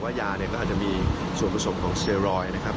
ยาเนี่ยก็อาจจะมีส่วนผสมของเซรอยด์นะครับ